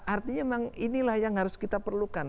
artinya memang inilah yang harus kita perlukan